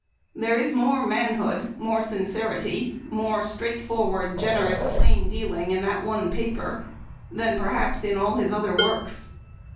There is more manhood, more sincerity, more straight forward, generous plain dealing in that one paper than, perhaps, in all his other works.